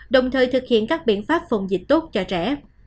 đồng thời thực hiện các biện pháp phòng dịch tốt cho trẻ